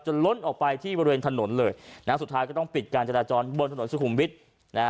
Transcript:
ล้นออกไปที่บริเวณถนนเลยนะฮะสุดท้ายก็ต้องปิดการจราจรบนถนนสุขุมวิทย์นะฮะ